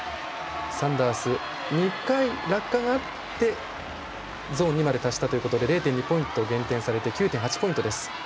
サンダース、２回落下があってゾーン２まで達したということで０．２ポイント減点されて９．８ポイントです。